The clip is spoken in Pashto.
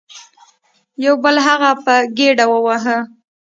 یو بل هغه په ګیډه وواهه.